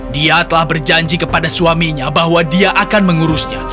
dia telah berjanji kepada suaminya bahwa dia akan mengurusnya